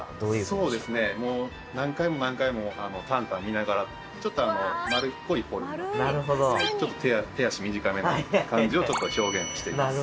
そうですねもう何回も何回も旦旦を見ながらちょっと丸っこいフォルムちょっと手足短めの感じをちょっと表現しています